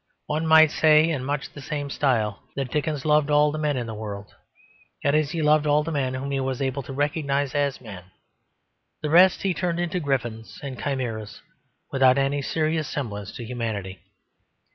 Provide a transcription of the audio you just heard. One might say in much the same style that Dickens loved all the men in the world; that is he loved all the men whom he was able to recognise as men; the rest he turned into griffins and chimeras without any serious semblance to humanity.